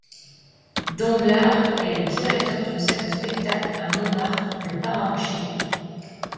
Danglard est le directeur d’une salle de spectacle à Montmartre, le Paravent Chinois.